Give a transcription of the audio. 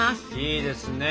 いいですね。